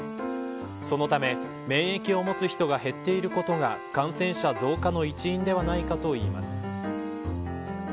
そのため、免疫を持つ人が減っていることが感染者増加の一因ではないかといいます。